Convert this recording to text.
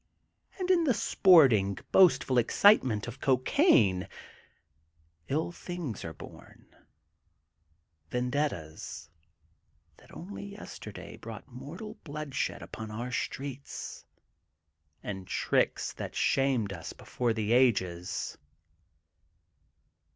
And in the sporting, boastful excitement of cocaine, ill things are bom, vendettas that only yesterday brought mortal bloodshed upon our streets and tricks that shamed us before the ages.